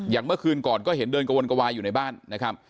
เมื่อคืนก่อนก็เห็นเดินกระวนกระวายอยู่ในบ้านนะครับ